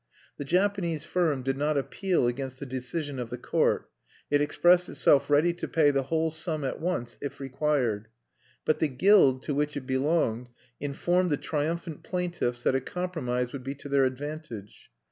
The Japanese firm did not appeal against the decision of the court: it expressed itself ready to pay the whole sum at once if required. But the guild to which it belonged informed the triumphant plaintiffs that a compromise would be to their advantage.